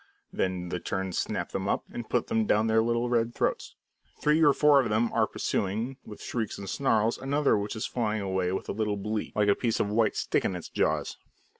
Then the terns snap them up, and put them down their little red throats. Three or four of them are pursuing, with shrieks and snarls, another which is flying away with a little bleak, like a piece of white stick in its jaws.